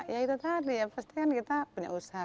ya itu tadi ya pasti kan kita punya usaha